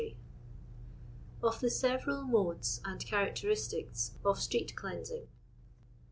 Of the Several Modes arp Chabactsbistics OF Strekt Cleahsiko.